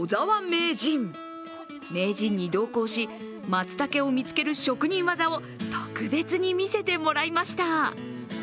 名人に同行し、松茸を見つける職人技を特別に見せてもらいました。